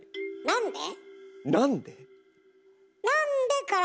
なんで？